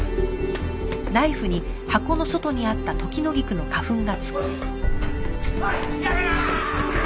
おいやめろーっ！